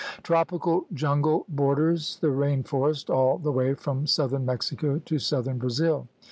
^ Tropical jungle borders the rain forest all the way from southern Mexico to southern Brazil.